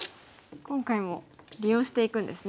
今回も利用していくんですね。